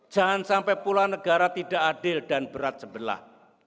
jangan sampai pula negara tidak adil dan berat sebelah